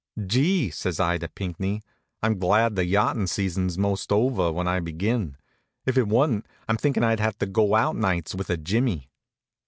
"Gee!" says I to Pinckney, "I'm glad the yachtin' season's most over when I begin; if it wa'n't I'm thinkin' I'd have to go out nights with a jimmy."